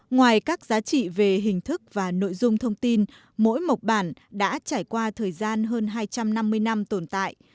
ngoài các giá trị về hình thức và nội dung thông tin mỗi mộc bản đã trải qua thời gian hơn hai trăm năm mươi năm tồn tại